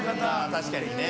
確かにね。